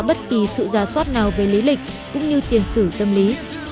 bất kỳ sự giả soát nào về lý lịch cũng như tiền sử tâm lý